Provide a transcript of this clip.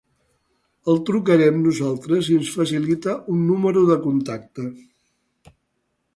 El trucarem nosaltres si ens facilita un número de contacte.